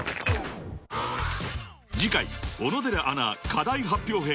［次回小野寺アナ課題発表編］